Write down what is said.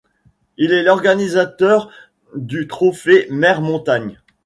Il est l'organisateur du Trophée Mer Montagne.